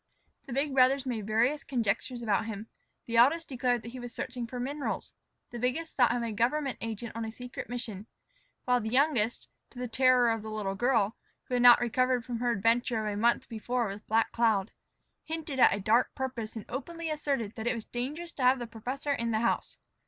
The big brothers made various conjectures about him. The eldest declared that he was searching for minerals; the biggest thought him a government agent on a secret mission; while the youngest, to the terror of the little girl, who had not recovered from her adventure of a month before with Black Cloud, hinted at a dark purpose and openly asserted that it was dangerous to have the professor in the house.